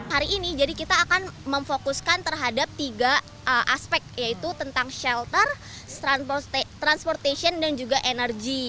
hari ini jadi kita akan memfokuskan terhadap tiga aspek yaitu tentang shelter transportation dan juga energi